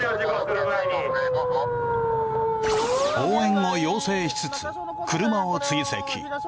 応援を要請しつつ車を追跡。